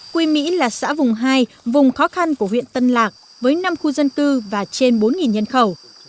quy mỹ là xã vùng hai vùng khó khăn của huyện tân lạc với năm khu dân cư và trên bốn nhân khẩu